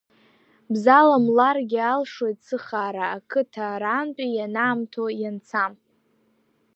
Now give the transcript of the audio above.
Бзаламларгьы алшоит, сыхаара, ақыҭа, арантәи ианаамҭоу ианцам.